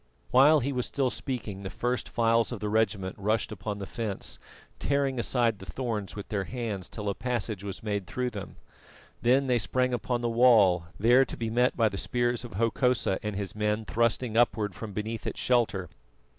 While he was still speaking the first files of the regiment rushed upon the fence, tearing aside the thorns with their hands till a passage was made through them. Then they sprang upon the wall, there to be met by the spears of Hokosa and his men thrusting upward from beneath its shelter.